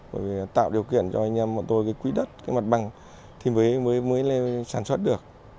để tạo điều kiện cho anh em bọn tôi cái quỹ đất cái mặt bằng thì mới sản xuất được